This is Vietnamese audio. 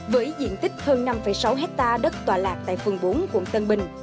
với diện tích hơn năm sáu hectare đất tòa lạc tại phường bốn quận tân bình